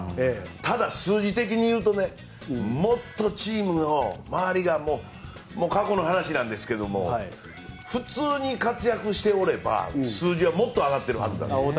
ただ、数字的に言うとねもっとチームの周りが過去の話ですが普通に活躍していれば、数字はもっと上がっているはずと。